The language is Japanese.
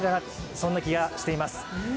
そんな気がしています。